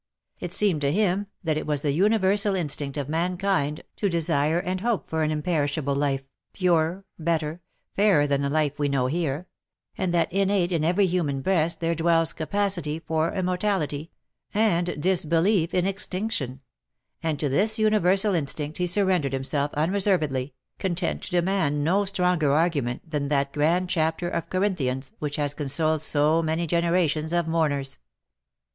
It seemed to him that it "was the universal instinct of mankind to desire and hope for an imperishable life, purer, better, fairer than the life we know here — and that innate in every human breast there dwells capacity for immortality, and disbelief in extinction — and to this universal instinct he surrendered himself unreservedly, content to demand no stronger argu ment than that grand chapter of Corinthians which has consoled so many generations of mourners.